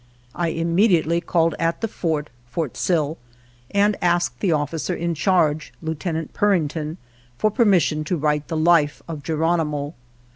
I immediately called at the fort (Fort Sill) and asked the officer in charge, Lieutenant Purington, for permission to write the life of Geronimo.